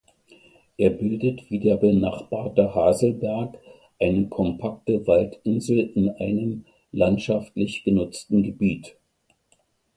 Er bildet wie der benachbarte Haselberg eine kompakte Waldinsel in einem landwirtschaftlich genutzten Gebiet.